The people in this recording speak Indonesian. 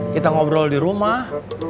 kita ngobrol di rumah